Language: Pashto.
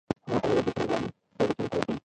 هغه هره ورځ زرګونه افغانۍ خپلو بچیانو ته ورکوي